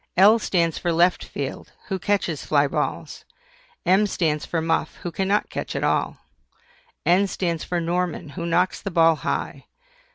L stands for LEFT FIELD, who catches FLY BALLS. M stands for MUFF, who cannot catch at all. N stands for NORMAN, who knocks the ball high.